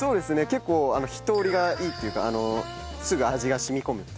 結構火通りがいいっていうかすぐ味が染み込むっていうか。